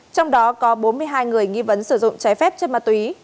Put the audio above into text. trong đó có bốn mươi hai người nghi vấn sử dụng trái phép chất ma túy